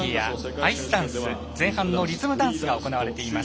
アイスダンス、前半のリズムダンスが行われています。